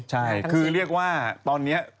ใช่คือเรียกว่าตอนนี้